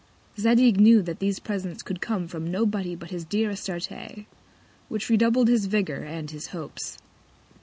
Zadig knew that these Presents could come from No body but his dear Astarte, which redoubled his Vigour and his Hopes.